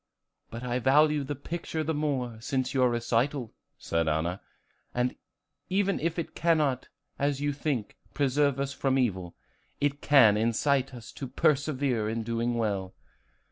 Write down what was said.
"But I value the picture the more since your recital," said Anna. "Even if it cannot, as you think, preserve us from evil, it can incite us to persevere in doing well."